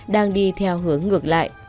đang đi theo hướng ngược lại